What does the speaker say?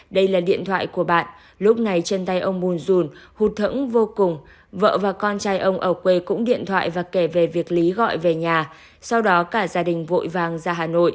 đây là điện thoại của bạn lúc này trên tay ông mùn dùn hụt thẫn vô cùng vợ và con trai ông ở quê cũng điện thoại và kể về việc lý gọi về nhà sau đó cả gia đình vội vàng ra hà nội